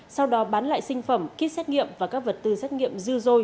sau đó bán lại sinh phẩm kit xét nghiệm và các vật tư xét nghiệm dư dôi